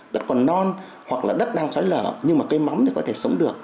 đất còn non hoặc là đất đang sói lở nhưng mà cây mắm thì có thể sống được